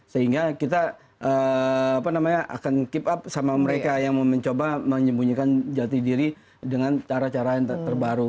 sehingga kita akan keep up sama mereka yang mencoba menyembunyikan jati diri dengan cara cara yang terbaru